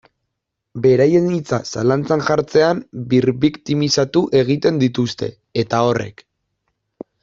Beraien hitza zalantzan jartzean birbiktimizatu egiten dituzte, eta horrek.